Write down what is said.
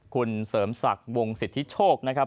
คุณเสริมศักดิ์วงสิทธิโชคนะครับ